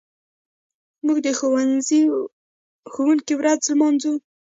موږ د ښوونکي ورځ لمانځو.